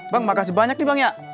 bang makasih banyak nih bang ya